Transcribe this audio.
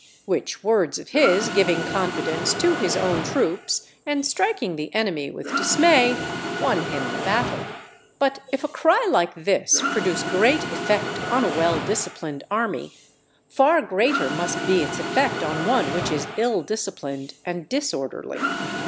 Which words of his giving confidence to his own troops and striking the enemy with dismay won him the battle. But if a cry like this, produce great effect on a well disciplined army, far greater must be its effect on one which is ill disciplined and disorderly.